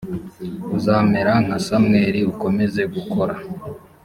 uzamera nka samweli ukomeze gukora